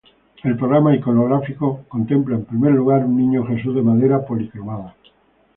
El programa iconográfico contempla, en primer lugar, un Niño Jesús de madera policromada.